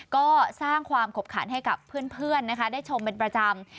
ก็สร้างความขบขันให้กับเพื่อนนะคะได้ชมเป็นประจำ